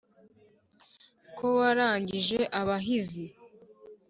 ko warangije abahizi,